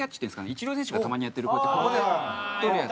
イチロー選手がたまにやってるここで捕るやつ。